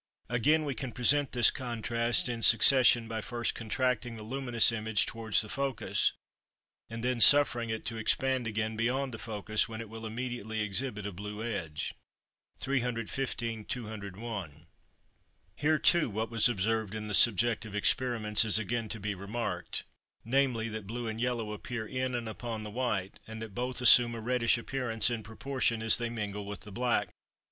Again, we can present this contrast in succession by first contracting the luminous image towards the focus, and then suffering it to expand again beyond the focus, when it will immediately exhibit a blue edge. 315 (201). Here too what was observed in the subjective experiments is again to be remarked, namely, that blue and yellow appear in and upon the white, and that both assume a reddish appearance in proportion as they mingle with the black.